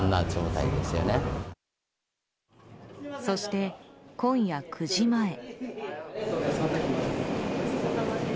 そして、今夜９時前。